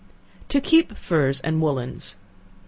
To Keep Furs and Woollens.